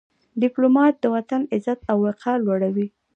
ډيپلومات د وطن عزت او وقار لوړوي.